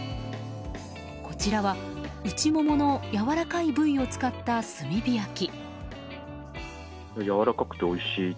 こちらは、内もものやわらかい部位を使った炭火焼き。